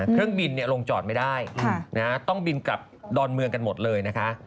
เครื่องบินลงจอดไม่ได้ต้องบินกลับดอนเมืองกันหมดเลยนะคะ